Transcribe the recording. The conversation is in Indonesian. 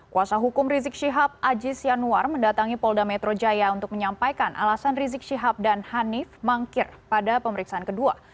kuasa hukum rizik syihab aziz yanuar mendatangi polda metro jaya untuk menyampaikan alasan rizik syihab dan hanif mangkir pada pemeriksaan kedua